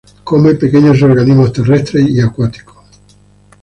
Come pequeños organismos terrestres y acuáticos.